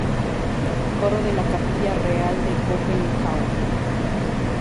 Coro de la Capilla Real de Copenhague.